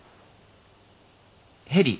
ヘリ。